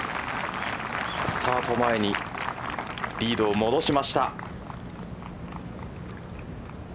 スタート前にリードを戻しました。